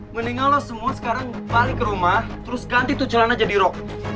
mendingan lo semua sekarang balik ke rumah terus ganti tujuan aja di rok